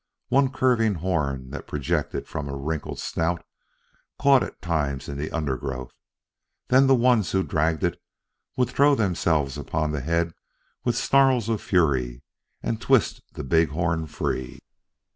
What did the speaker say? One curving horn that projected from a wrinkled snout caught at times in the undergrowth, and then the ones who dragged it would throw themselves upon the head with snarls of fury and twist the big horn free.